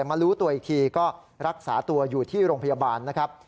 มารู้ตัวอีกทีก็รักษาตัวอยู่ที่โรงพยาบาลนะครับ